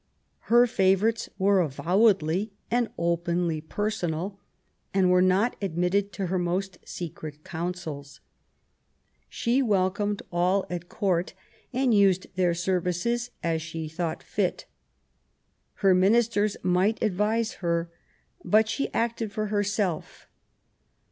Her favourites were avowedly and openly personal, and were not admitted to her most secret councils. She welcomed all at Court, and used their services as she thought fit. Her ministers might advise her, but she acted for herself.